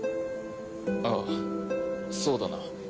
ああそうだな。